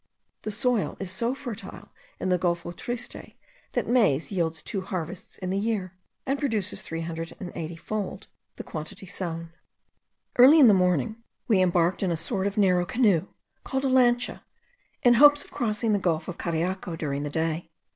The soil is so fertile in the Golfo Triste, that maize yields two harvests in the year, and produces three hundred and eighty fold the quantity sown. Early in the morning we embarked in a sort of narrow canoe, called a lancha, in hopes of crossing the gulf of Cariaco during the day.